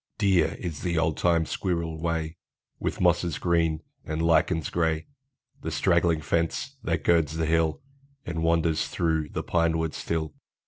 Dear is the old time squirrel way, With mosses green and lichens gray, The straggling fence, that girds the hill, And wanders through the pine woods still.